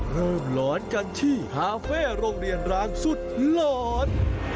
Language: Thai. หลอนกันที่คาเฟ่โรงเรียนร้างสุดหลอน